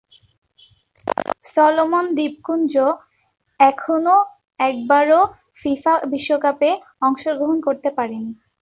Solomon দ্বীপপুঞ্জ এপর্যন্ত একবারও ফিফা বিশ্বকাপে অংশগ্রহণ করতে পারেনি।